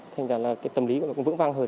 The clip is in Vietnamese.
thành ra là tâm lý của bọn tôi cũng vững vang hơn